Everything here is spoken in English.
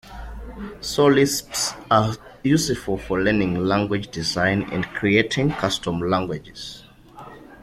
So Lisps are useful for learning language design, and creating custom languages.